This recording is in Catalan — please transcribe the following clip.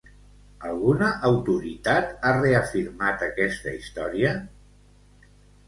Alguna autoritat ha reafirmat aquesta història?